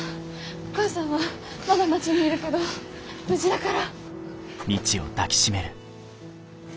お母さんはまだ町にいるけど無事だから。